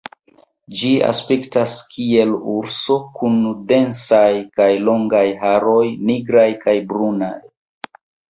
Ĝi aspektas kiel urso, kun densaj kaj longaj haroj nigraj kaj brunaj.